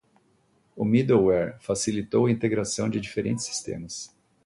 O middleware facilitou a integração de diferentes sistemas.